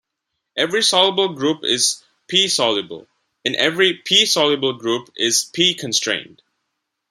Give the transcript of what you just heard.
Every soluble group is "p"-soluble, and every "p"-soluble group is "p"-constrained.